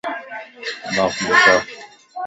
مانک ڏيکار